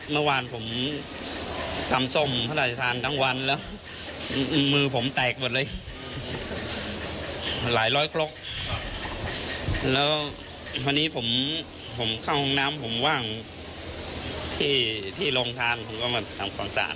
มือผมแตกหมดเลยหลายร้อยกรกแล้วพอนี้ผมเข้าห้องน้ำผมว่างที่โรงทางผมก็มาทำของสะอาด